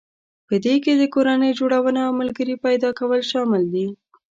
په دې کې د کورنۍ جوړونه او ملګري پيدا کول شامل دي.